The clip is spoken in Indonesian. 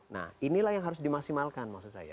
nah inilah yang harus dimaksimalkan maksud saya